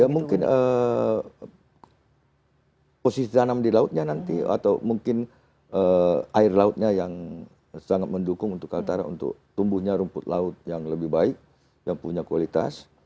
ya mungkin posisi tanam di lautnya nanti atau mungkin air lautnya yang sangat mendukung untuk kaltara untuk tumbuhnya rumput laut yang lebih baik yang punya kualitas